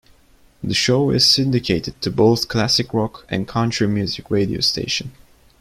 The show is syndicated to both classic rock and country music radio stations.